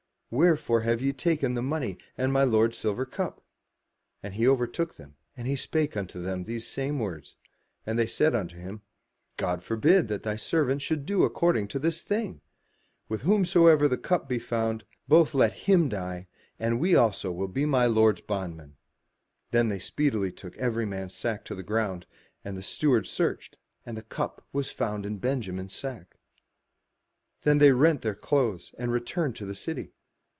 Wherefore have ye taken the money and my lord's silver cup?" And he overtook them, and he spake unto them these same words. And they said unto him, "God forbid that thy servants should do according to this thing! With whomsoever the cup be found, both let him die, and we also will be my lord's bondmen." Then they speedily took ever man his sack to the ground, and the steward searched, and the cup was found in Benjamin's sack. Then they rent their clothes and returned to the city.